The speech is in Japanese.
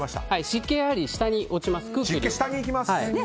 湿気は下に落ちます。